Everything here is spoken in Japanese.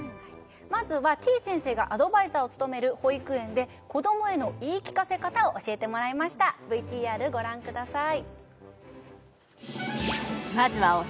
まずはてぃ先生がアドバイザーを務める保育園で子どもへの言い聞かせ方を教えてもらいましたＶＴＲご覧ください